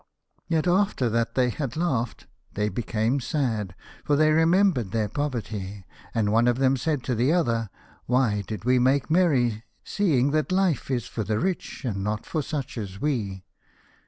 o Yet, after that they had laughed they be came sad, for they remembered their poverty, and one of them said to the other, " Why did we make merry, seeing that life is for the rich, and not for such as we are